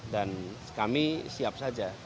dan kami siap saja